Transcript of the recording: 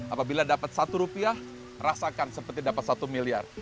apabila dapat satu rupiah rasakan seperti dapat satu miliar